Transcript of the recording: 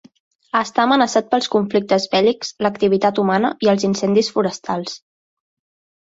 Està amenaçat pels conflictes bèl·lics, l'activitat humana i els incendis forestals.